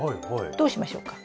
どうしましょうか？